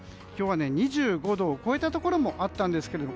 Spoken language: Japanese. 今日は２５度を超えたところもあったんですが。